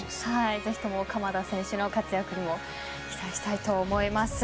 ぜひとも鎌田選手の活躍も期待したいと思います。